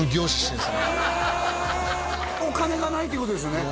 へえお金がないっていうことですよね